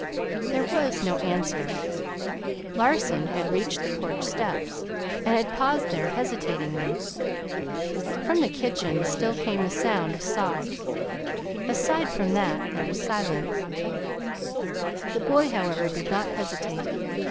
There was no answer. Larson had reached the porch steps, and had paused there hesitatingly. From the kitchen still came the sound of sobs. Aside from that there was silence. The boy, however, did not hesitate.